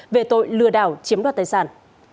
về tội lừa đảo chiếm đoạt tài sản